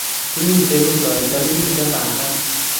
Kimi rutoito, kimite banda o